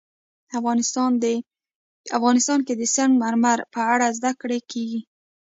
افغانستان کې د سنگ مرمر په اړه زده کړه کېږي.